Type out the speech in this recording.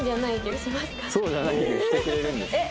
そうじゃないぎゅーしてくれるんですか？